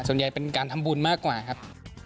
ส่วนใหญ่เป็นการทำบุญมากกว่าครับ